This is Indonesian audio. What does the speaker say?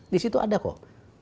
di situ ada kok